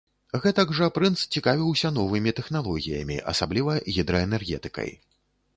Гэтак жа прынц цікавіўся новымі тэхналогіямі, асабліва гідраэнергетыкай.